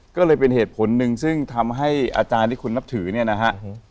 ก็เลยเป็นเหตุผลหนึ่งซึ่งทำให้อาจารย์ที่คุณนับถือเนี่ยนะฮะ